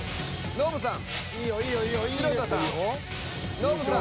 ノブさん！